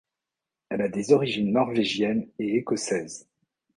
Elle a des origines norvégienne et écossaise.